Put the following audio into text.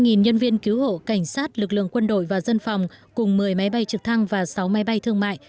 một nhân viên cứu hộ cảnh sát lực lượng quân đội và dân phòng cùng một mươi máy bay trực thăng và sáu máy bay thương mại